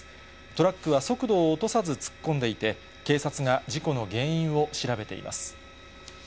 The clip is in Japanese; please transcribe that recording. トラックは速度を落とさず、突っ込んでいて、警察が事故の原因を調べています。